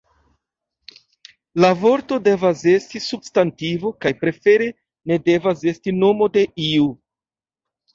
La vorto devas esti substantivo kaj prefere ne devas esti nomo de iu.